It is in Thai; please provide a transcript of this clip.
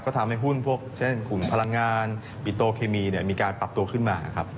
ก็ทำให้หุ้นพวกเช่นกลุ่มพลังงานปิโตเคมีมีการปรับตัวขึ้นมาครับ